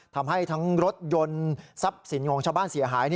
ทำให้ทั้งรถยนต์ทรัพย์สินของชาวบ้านเสียหาย